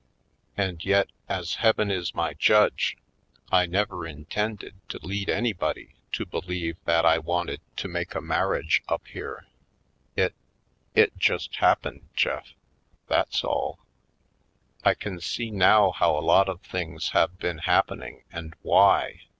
And yet, as Heaven is my judge, I never intended to lead anybody to believe that I wanted to 186 /. Poindexier^ Colored make a marriage up here. It— it just hap pened, Jeft— that's all. I can see now how a lot of things have been happening and why.